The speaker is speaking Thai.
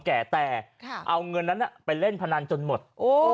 แก่แต่เอาเงินนั้นไปเล่นพนันจนหมด